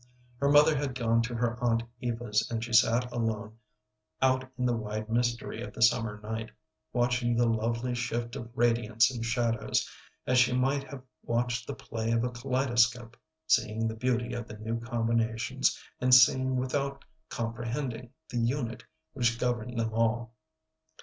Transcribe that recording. Her mother had gone to her aunt Eva's and she sat alone out in the wide mystery of the summer night, watching the lovely shift of radiance and shadows, as she might have watched the play of a kaleidoscope, seeing the beauty of the new combinations, and seeing without comprehending the unit which governed them all.